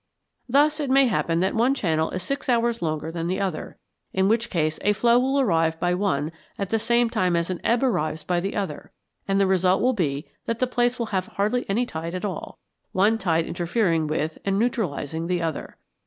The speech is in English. Thus it may happen that one channel is six hours longer than the other, in which case a flow will arrive by one at the same time as an ebb arrives by the other; and the result will be that the place will have hardly any tide at all, one tide interfering with and neutralizing the other.